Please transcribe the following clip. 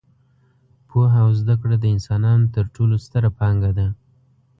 پوهه او زده کړه د انسانانو تر ټولو ستره پانګه ده.